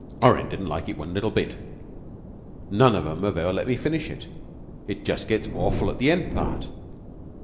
Orrin didn't like it one little bit. None of 'em have ever let me finish it. It gets just awful at the end part."